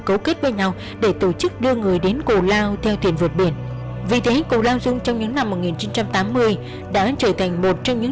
các bạn hãy đăng ký kênh để ủng hộ kênh của chúng mình nhé